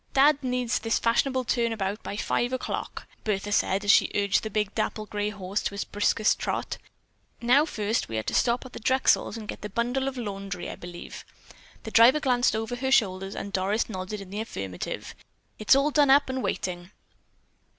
"Dad needs this fashionable turnout by five o'clock," Bertha said as she urged the big dapple grey horse to its briskest trot. "Now, first we are to stop at the Drexels and get the bundle of laundry, I believe." The driver glanced over her shoulder and Doris nodded in the affirmative. "It's all done up and waiting."